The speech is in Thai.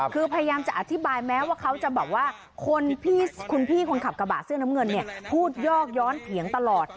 คือพยายามจะอธิบายแม้ว่าเขาจะแบบว่าคุณพี่คนขับกระบะเสื้อน้ำเงินเนี่ยพูดยอกย้อนเถียงตลอด